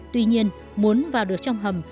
tuy nhiên muốn vào được trong hầm